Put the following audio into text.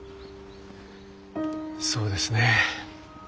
そうですね。